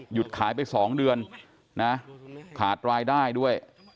ขายไป๒เดือนนะขาดรายได้ด้วย